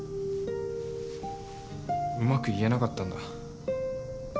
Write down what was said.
うまく言えなかったんだ。